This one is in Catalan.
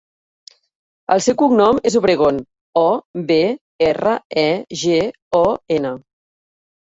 El seu cognom és Obregon: o, be, erra, e, ge, o, ena.